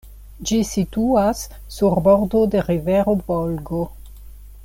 Ĝi situas sur bordo de rivero Volgo.